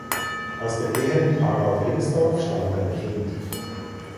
Aus der Ehe mit Harald Ringstorff stammt ein Kind.